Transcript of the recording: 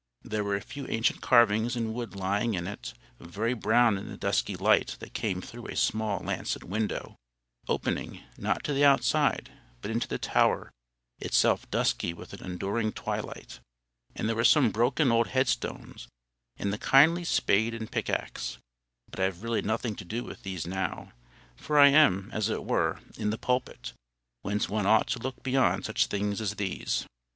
There were a few ancient carvings in wood lying in it, very brown in the dusky light that came through a small lancet window, opening, not to the outside, but into the tower, itself dusky with an enduring twilight. And there were some broken old headstones, and the kindly spade and pickaxe—but I have really nothing to do with these now, for I am, as it were, in the pulpit, whence one ought to look beyond such things as these.